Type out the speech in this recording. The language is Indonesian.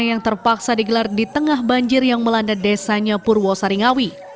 yang terpaksa digelar di tengah banjir yang melanda desanya purwosaringawi